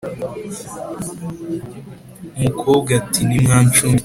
umukobwa ati: "Ntimwancumbikira bene urugo?"